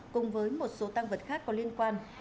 cùng với một số tăng vật khác có liên quan